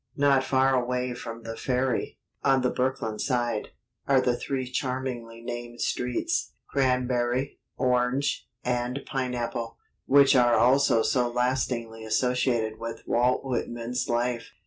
Not far away from the ferry, on the Brooklyn side, are the three charmingly named streets Cranberry, Orange, and Pineapple which are also so lastingly associated with Walt Whitman's life.